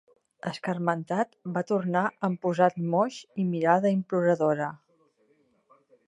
Escarmentat, va tornar amb posat moix i mirada imploradora.